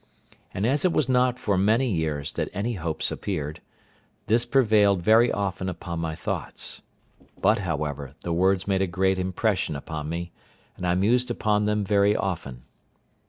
And as it was not for many years that any hopes appeared, this prevailed very often upon my thoughts; but, however, the words made a great impression upon me, and I mused upon them very often.